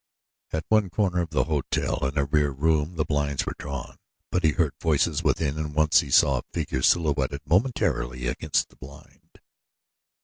At one corner of the hotel in a rear room the blinds were drawn; but he heard voices within and once he saw a figure silhouetted momentarily against the blind.